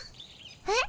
えっ？